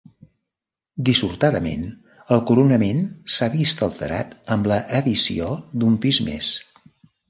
Dissortadament el coronament s'ha vist alterat amb l'addició d'un pis més.